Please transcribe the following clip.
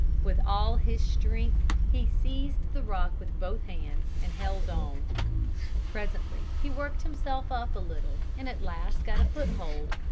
With all his strength he seized the rock with both hands and held on. Presently he worked himself up a little and at last got a foothold.